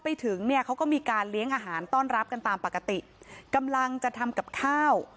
ไปถึงเนี่ยเขาก็มีการเลี้ยงอาหารต้อนรับกันตามปกติกำลังจะทำกับข้าว